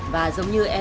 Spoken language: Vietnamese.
và giống như em